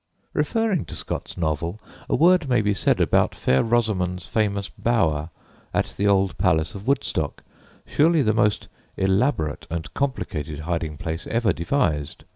] Referring to Scott's novel, a word may be said about Fair Rosamond's famous "bower" at the old palace of Woodstock, surely the most elaborate and complicated hiding place ever devised.